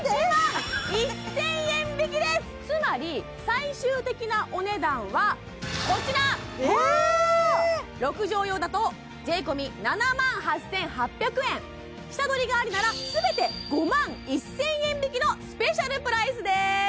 １万１０００円引きですつまり最終的なお値段はこちら６畳用だと税込７万８８００円下取りがありなら全て５万１０００円引きのスペシャルプライスです！